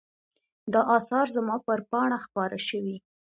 دا آثار زما پر پاڼه خپاره شوي.